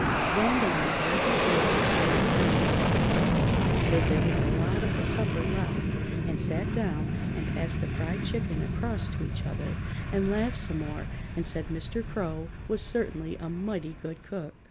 Then they unbarred their doors and went down into the parlor, where there was a lot of the supper left, and sat down and passed the fried chicken across to each other and laughed some more and said Mr. Crow was certainly a mighty good cook.